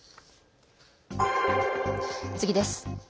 次です。